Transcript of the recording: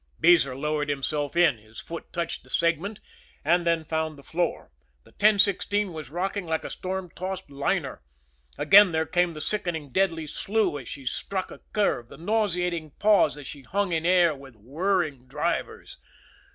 Beezer lowered himself in, his foot touched the segment, and then found the floor. The 1016 was rocking like a storm tossed liner. Again there came the sickening, deadly slew as she struck a curve, the nauseating pause as she hung in air with whirring drivers.